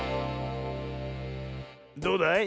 どうだい？